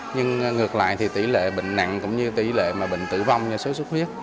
nhưng ngược lại thì tỷ lệ bệnh nặng cũng như tỷ lệ bệnh tử vong như sốt sốt huyết